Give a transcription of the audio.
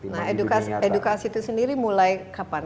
nah edukasi itu sendiri mulai kapan